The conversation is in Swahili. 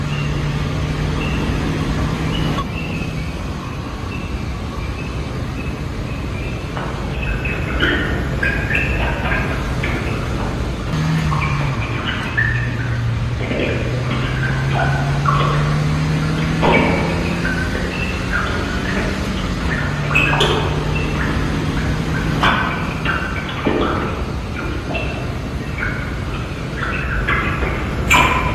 madai hayo yamechunguzwa na kukataliwa na jamii ya wanasayansi